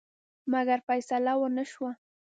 مګر فیصه ونه شوه.